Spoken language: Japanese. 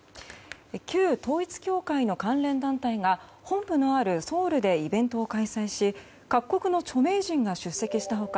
旧統一教会の関連団体が本部のあるソウルでイベントを開催し各国の著名人が出席した他